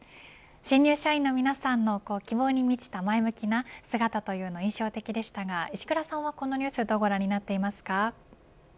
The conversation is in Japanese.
新入社員の皆さんの希望に満ちた前向きな姿というのが印象的でしたが石倉さんはどうご覧になっていますか。